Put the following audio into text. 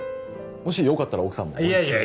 もしよかったら奥さんもご一緒に